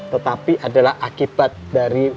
tetapi adalah akibat dari